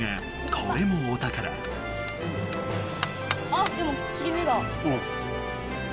あっでも切れ目が。